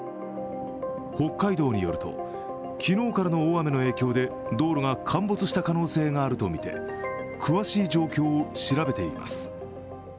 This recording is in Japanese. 北海道によると、昨日からの大雨の影響で道路が陥没した可能性があるとみて詳しい状況を調べています。